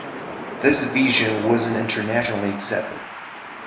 This division wasn't internationally accepted.